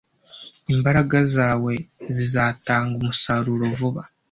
Imbaraga zawe zizatanga umusaruro vuba.